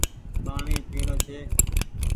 پآڻيٚ پيڻو ڇي